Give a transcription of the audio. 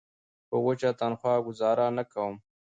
په وچه تنخوا ګوزاره نه کوم.